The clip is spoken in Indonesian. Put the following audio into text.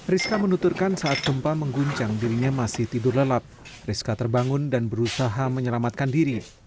rizka menuturkan saat gempa mengguncang dirinya masih tidur lelap rizka terbangun dan berusaha menyelamatkan diri